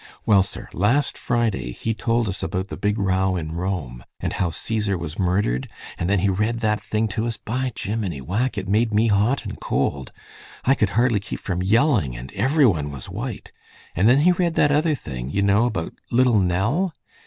Well, sir, last Friday he told us about the big row in Rome, and how Caesar was murdered, and then he read that thing to us. By gimmini whack! it made me hot and cold. I could hardly keep from yelling, and every one was white. And then he read that other thing, you know, about Little Nell.